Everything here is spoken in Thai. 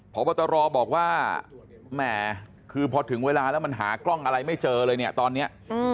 พบตรบอกว่าแหม่คือพอถึงเวลาแล้วมันหากล้องอะไรไม่เจอเลยเนี่ยตอนนี้